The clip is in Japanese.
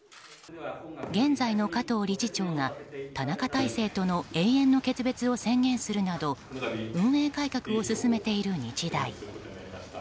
現在の加藤理事長が田中体制との永遠の決別を宣言するなど運営改革を進めている日大。